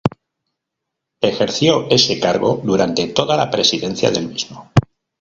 Ejerció ese cargo durante toda la presidencia del mismo.